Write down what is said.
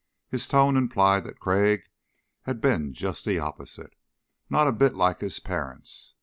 His tone implied that Crag had been just the opposite. "Not a bit like his parents.